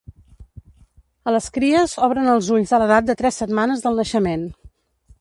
A les cries obren els ulls a l'edat de tres setmanes del naixement.